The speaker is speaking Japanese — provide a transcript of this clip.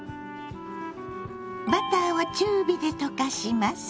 バターを中火で溶かします。